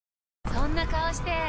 そんな顔して！